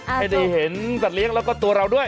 ให้ได้เห็นสัตว์เลี้ยงแล้วก็ตัวเราด้วย